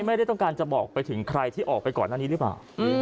ไม่ได้ต้องการจะบอกไปถึงใครที่ออกไปก่อนหน้านี้หรือเปล่า